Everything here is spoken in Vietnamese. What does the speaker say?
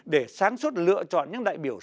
để sáng suốt lựa chọn những đại biểu